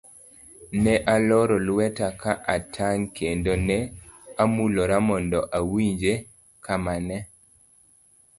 Ne aloro lweta ka atang' kendo ne amulora mondo awinje kama ne